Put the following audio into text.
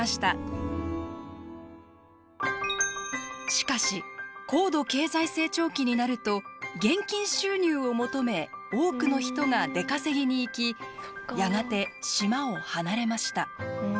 しかし高度経済成長期になると現金収入を求め多くの人が出稼ぎに行きやがて島を離れました。